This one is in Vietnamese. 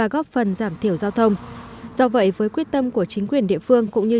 góp phần giảm thiểu giao thông do vậy với quyết tâm của chính quyền địa phương cũng như